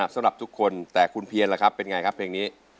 สำหรับทุกคนแต่คุณเพียนล่ะครับเป็นไงครับเพลงนี้